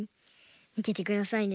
みててくださいね。